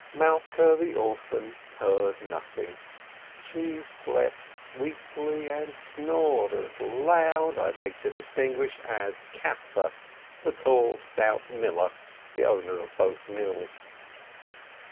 Malkeh the orphan heard nothing. She slept sweetly, and snored as loud (I beg to distinguish!) as Caspar, the tall, stout miller, the owner of both mills.